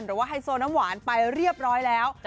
หรือว่าไฮโซน้ำหวานไปเรียบร้อยแล้ว